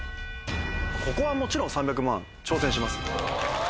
ここはもちろん３００万挑戦します。